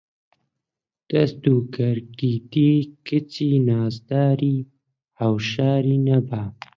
دەست و کەرکیتی کچی نازداری هەوشاری نەبا